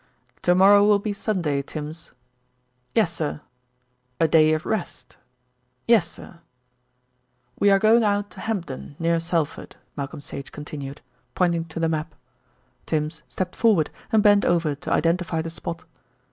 "To morrow will be Sunday, Tims." "Yessir." "A day of rest." "Yessir!" "We are going out to Hempdon, near Selford," Malcolm Sage continued, pointing to the map. Tims stepped forward and bent over to identify the spot.